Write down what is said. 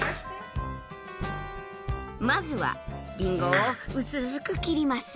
まずはりんごを薄く切ります。